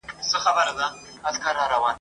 نه مي څوک لمبې ته ګوري نه د چا مي خواته پام دی !.